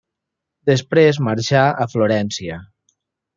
Després marxà a Florència.